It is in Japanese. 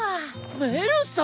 メルさん！